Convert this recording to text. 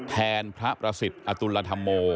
แทนพระประสิทธิ์อตุลธรรมโม